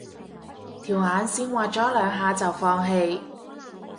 條眼線畫咗兩下就放棄